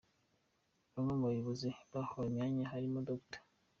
Bamwe mu bayobozi bahawe imyanya harimo Dr.